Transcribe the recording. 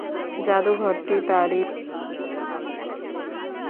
জাদুঘরটি তারই নামাঙ্কিত।